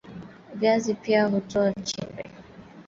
viazi pia hutoa Vichembe